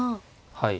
はい。